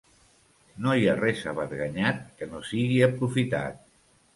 No hi ha res averganyat que no sigui aprofitat.